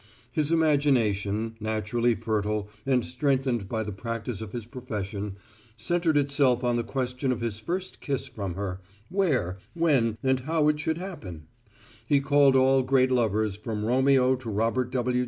His imagination, naturally fertile and strengthened by the practice of his profession, centered itself on the question of his first kiss from her where, when and how should it happen? He called all great lovers from Romeo to Robert W.